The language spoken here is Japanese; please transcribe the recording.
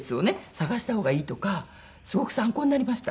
探した方がいいとかすごく参考になりました。